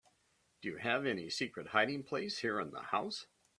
Do you have any secret hiding place here in the house?